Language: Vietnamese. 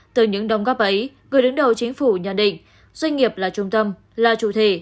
từ những đồng góp ấy người đứng đầu chính phủ nhận định doanh nghiệp là trung tâm là chủ thể